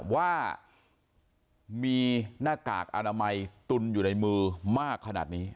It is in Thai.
ว่ามีหน้ากากอนามัยตุนอยู่ในมือมากขนาดนี้